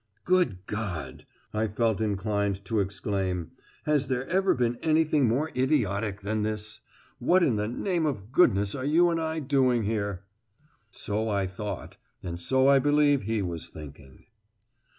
"Good God!" I felt inclined to exclaim. "Has there ever been anything more idiotic than this? What in the name of goodness are you and I doing here?" So I thought, and so I believe he was thinking.